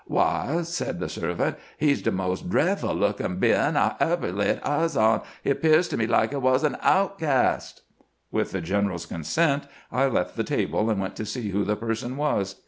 " Why," said the servant, " he 's de mos' dreffle lookin' bein' I ebber laid eyes on ; he 'pears to me like he was a' outcast." With the general's con sent, I left the table and went to see who the person was.